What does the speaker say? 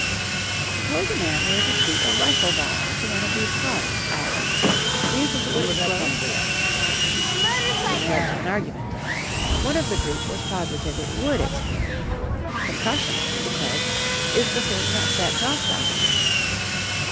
"Suppose a man were to shoot a rifle ball into one of these cars," I asked, "do you think it would explode?" This led to an argument. One of the group was positive it would explode. Concussion, he declared, is the thing that sets off dynamite.